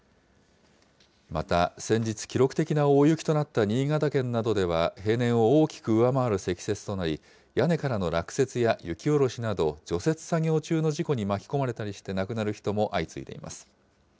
また、先日記録的な大雪となった新潟県などでは、平年を大きく上回る積雪となり、屋根からの落雪や雪下ろしなど、除雪作業中の事故に巻き込まれたりして亡くなる人も相次いでいます。